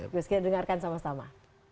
gus kita dengarkan sama sama